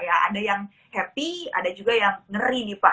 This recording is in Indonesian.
ada yang happy ada juga yang ngeri nih pak